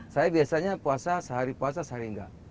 saya biasanya puasa sehari puasa sehari enggak